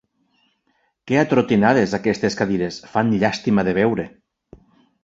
Que atrotinades, aquestes cadires: fan llàstima de veure!